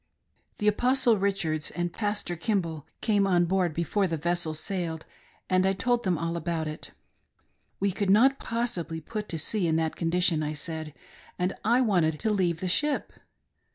The Apostle Richards and Pastor Kimball came on board before the vessel sailed and I told them all about it. We could not possibly put to sea in that condition, I said, and I wanted to leave the ship.